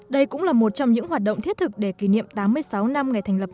đây cũng là một trong những hoạt động thiết thực để kỷ niệm tám mươi sáu năm ngày thành lập